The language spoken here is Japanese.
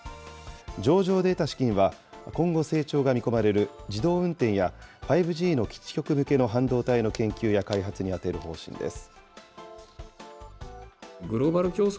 上場で得た資金は、今後、成長が見込まれる自動運転や、５Ｇの基地局向けの半導体の研究や開発に充てる方針です。